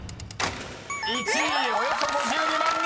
［１位およそ５２万人！］